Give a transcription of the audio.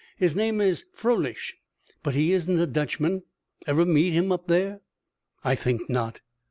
His name is Froelich, but he isn't a Dutchman. Ever meet him up there?" "I think not."